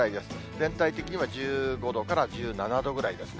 全体的には１５度から１７度ぐらいですね。